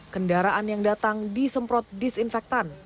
kendaraan yang datang disemprot disinfektan